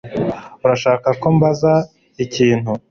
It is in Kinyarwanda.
Urashaka ko mbaza ikintu?